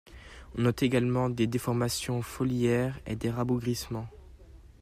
On note également des déformations foliaires et des rabougrissements.